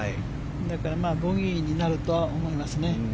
だから、ボギーになるとは思いますね。